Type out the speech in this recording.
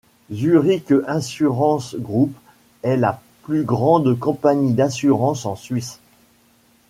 Zurich Insurance Group est la plus grande compagnie d'assurance en Suisse.